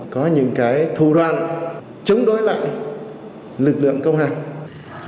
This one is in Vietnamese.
có những cái thù đoan chống đối lại lực lượng công hành